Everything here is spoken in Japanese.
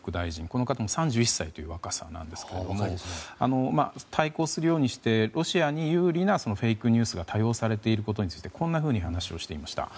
この方、３１歳という若さですけど対抗するようにしてロシアに有利なフェイクニュースが多用されていることについてこんなふうに話をしていました。